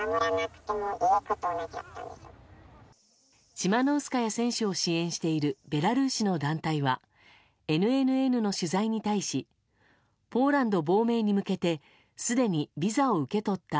チマノウスカヤ選手を支援しているベラルーシの団体はＮＮＮの取材に対しポーランド亡命に向けてすでにビザを受け取った。